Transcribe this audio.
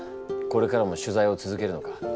これからも取材を続けるのか？